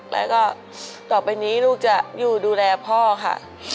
แล้วก็ต่อไปนี้ลูกจะอยู่ดูแลพ่อค่ะ